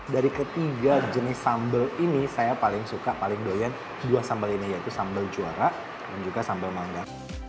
dari ketiga jenis sambal ini saya paling suka paling doyan dua sambal ini yaitu sambal juara dan juga sambal mangga